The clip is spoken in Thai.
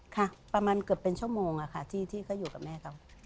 ค่ะประมาณเกือบเป็นชั่วโมงค่ะที่เขาอยู่กับแม่เขา